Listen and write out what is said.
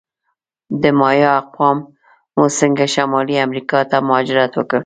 د مایا اقوامو څنګه شمالي امریکا ته مهاجرت وکړ؟